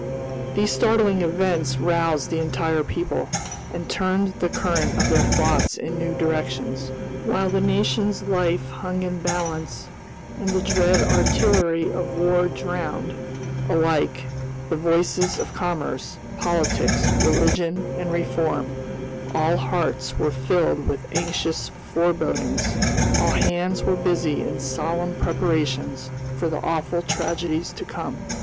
These startling events roused the entire people, and turned the current of their thoughts in new directions. While the nation's life hung in the balance, and the dread artillery of war drowned, alike, the voices of commerce, politics, religion, and reform, all hearts were filled with anxious forebodings, all hands were busy in solemn preparations for the awful tragedies to come.